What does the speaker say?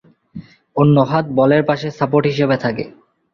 অন্য হাত বলের পাশে সাপোর্ট হিসেবে থাকে।